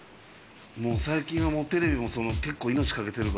最近はもうテレビも結構命かけてるから。